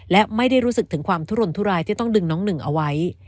และไม่ได้รู้สึกถึงความทุรนทุรายที่ต้องดึงน้องหนึ่งเอาไว้